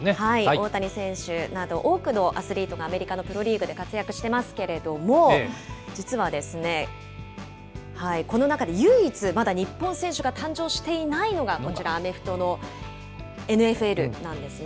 大谷選手など多くのアスリートがアメリカのプロリーグで活躍していますけれども、実はですね、この中で唯一、まだ日本選手が誕生していないのがこちら、アメフトのＮＦＬなんですね。